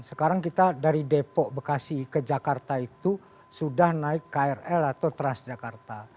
sekarang kita dari depok bekasi ke jakarta itu sudah naik krl atau transjakarta